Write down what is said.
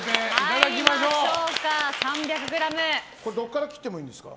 どこから切ってもいいんですか？